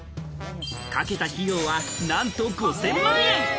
かけた費用は、なんと５０００万円。